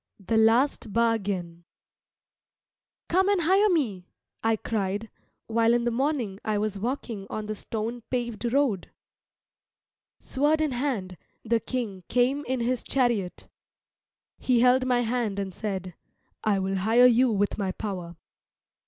THE LAST BARGAIN "Come and hire me," I cried, while in the morning I was walking on the stone paved road. Sword in hand, the King came in his chariot. He held my hand and said, "I will hire you with my power."